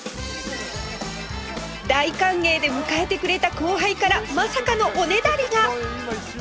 大歓迎で迎えてくれた後輩からまさかのおねだりが！